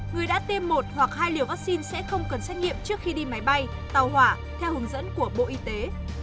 người đã tiêm một hoặc hai liều vắc xin sẽ không cần xét nghiệm trước khi đi máy bay tàu hỏa theo hướng dẫn của bộ y tế